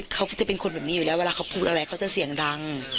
เขายังไม่รู้เลยว่าเขาไปทำอะไร